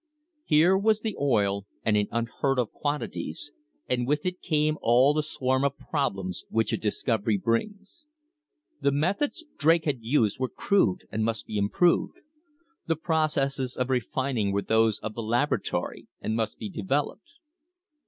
Here was the oil, and in unheard of quantities, and with it came all the swarm of problems which a discovery brings. The methods Drake had used were crude and must be im proved. The processes of refining were those of the laboratory and must be developed.